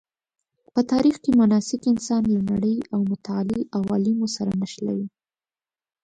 په تاریخ کې مناسک انسان له نړۍ او متعالي عوالمو سره نښلوي.